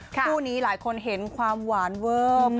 คู่นี้หลายคนเห็นความหวานเวอร์